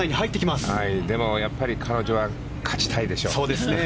でもやっぱり彼女は勝ちたいでしょう。